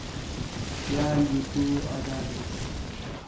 ٻِیال جوں توں آہدا ہینس